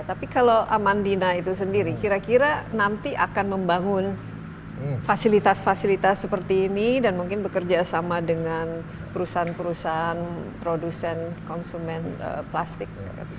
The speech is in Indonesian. tapi kalau amandina itu sendiri kira kira nanti akan membangun fasilitas fasilitas seperti ini dan mungkin bekerja sama dengan perusahaan perusahaan produsen konsumen plastik